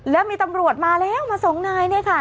แล้วมีตำรวจมาแล้วมาสองนายเนี่ยค่ะ